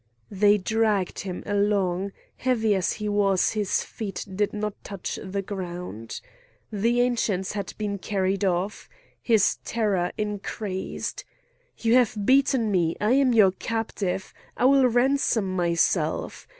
They dragged him along; heavy as he was his feet did not touch the ground. The Ancients had been carried off. His terror increased. "You have beaten me! I am your captive! I will ransom myself!